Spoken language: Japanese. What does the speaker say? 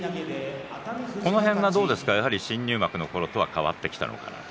この辺が新入幕のころとは変わってきたのかなと。